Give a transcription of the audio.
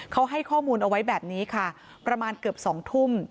เขาให้ข้อมูลเอาไว้แบบนี้ค่ะประมาณเกือบ๒ทุ่ม